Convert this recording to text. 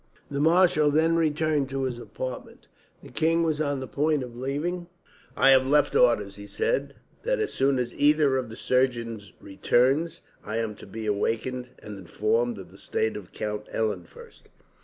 The marshal then returned to his apartment. The king was on the point of leaving. "I have left orders," he said, "that as soon as either of the surgeons returns, I am to be wakened and informed of the state of Count Eulenfurst.